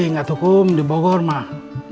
enggak tuh kum di bogor mah